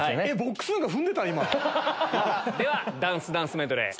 ではダンスダンスメドレー。